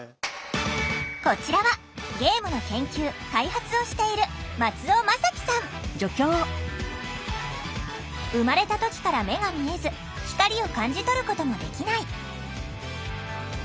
こちらはゲームの研究・開発をしている生まれた時から目が見えず光を感じ取ることもできない。